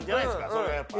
それがやっぱり。